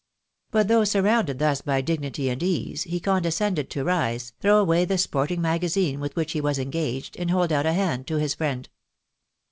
But though sur rounded thus by dignity and ease, he condescended to rise, throw away the Sporting Magazine vrith which he was engaged, and hold out a hand to his friend.